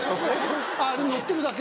あれ乗ってるだけ？